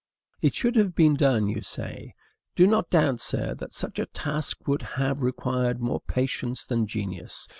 "It should have been done," you say. Do not doubt, sir, that such a task would have required more patience than genius.